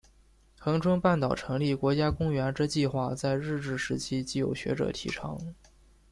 恒春半岛成立国家公园之计画在日治时期即有学者提倡。